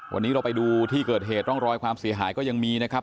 วันนี้เราไปดูที่เกิดเหตุร่องรอยความเสียหายก็ยังมีนะครับ